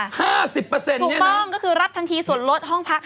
๕๐ใช่ไหมถูกต้องก็คือรับทันทีส่วนลดห้องพัก๕๐